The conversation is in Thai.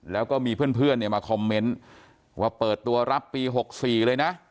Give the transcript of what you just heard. แล้วก็มีเพื่อนเนี่ยมาคอมเมนต์ว่าเปิดตัวรับปี๖๔เลยนะ